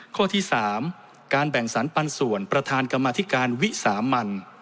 ข้อที่๓การแบ่งสรรปันส่วนประธานกรรมธิการวิสามัน